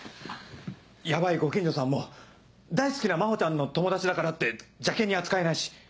ヤバいご近所さんも大好きな真帆ちゃんの友達だからって邪険に扱えないし。